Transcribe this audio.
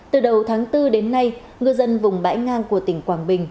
từ đầu tháng bốn đến nay ngư dân vùng bãi ngang của tỉnh quảng bình